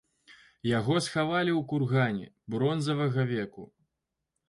Яго схавалі ў кургане бронзавага веку.